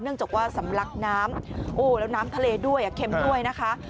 จากว่าสำลักน้ำโอ้แล้วน้ำทะเลด้วยเค็มด้วยนะคะ